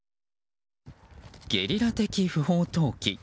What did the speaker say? ゲリラ的不法投棄。